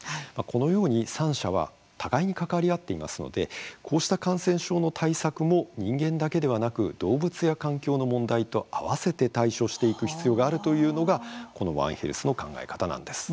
このように三者は互いに関わり合っていますのでこうした感染症の対策も人間だけではなく動物や環境の問題と併せて対処していく必要があるというのがこのワンヘルスの考え方なんです。